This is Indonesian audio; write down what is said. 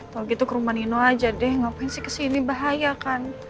kalau gitu ke rumah nino aja deh ngapain sih kesini bahaya kan